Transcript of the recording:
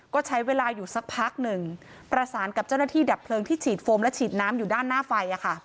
ก็ใช้เวลาอยู่สักพักหนึ่งประสานกับเจ้าหน้าที่ดับเพลิงที่ฉีดโฟมและฉีดน้ำอยู่ด้านหน้าไฟ